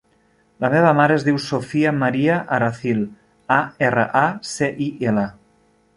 La meva mare es diu Sofia maria Aracil: a, erra, a, ce, i, ela.